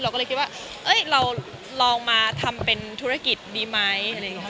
เราก็เลยคิดว่าเราลองมาทำเป็นธุรกิจดีมั้ย